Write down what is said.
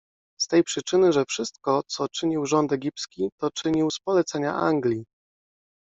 Z tej przyczyny, że wszystko, co czynił rząd egipski, to czynił z polecenia Anglii.